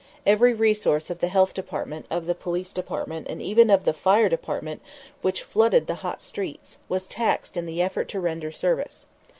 Every resource of the Health Department, of the Police Department, and even the Fire Department (which flooded the hot streets) was taxed in the effort to render service.